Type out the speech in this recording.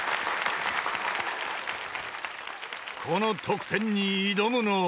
［この得点に挑むのは］